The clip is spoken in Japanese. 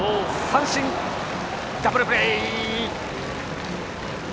三振、ダブルプレー！